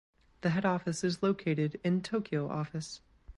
The head office is located in Tokyo Office.